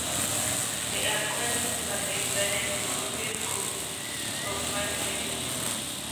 They are required to abide by the European Code for Franchising.